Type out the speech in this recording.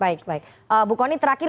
baik baik bu kony terakhir